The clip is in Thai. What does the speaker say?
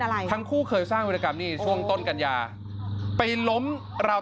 อะไรทั้งคู่เคยสร้างวิรกรรมนี่ช่วงต้นกัญญาไปล้มเรา